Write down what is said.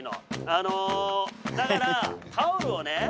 あのだからタオルをね